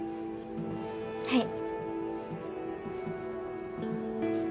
はい。